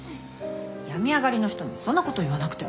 病み上がりの人にそんなこと言わなくても。